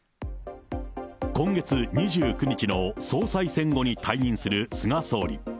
今月２９日の総裁選後に退任する菅総理。